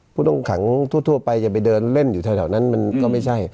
ผู้ต้องขังทั่วไปจะไปเดินเล่นอยู่แถวนั้นมันก็ไม่ใช่